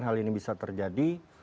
hal ini bisa terjadi